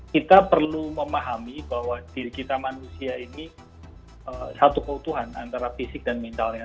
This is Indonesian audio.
kita perlu memahami bahwa diri kita manusia ini satu keutuhan antara fisik dan mentalnya